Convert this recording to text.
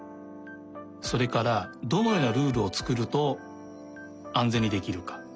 それからどのようなルールをつくるとあんぜんにできるか。